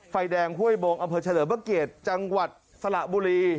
ไฟแดงห้วยบงอำเภอเฉลิมพระเกียรติจังหวัดสระบุรี